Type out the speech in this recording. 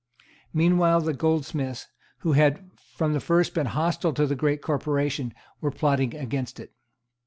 Meanwhile the goldsmiths, who had from the first been hostile to that great corporation, were plotting against it.